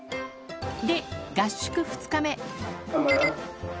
で、合宿２日目。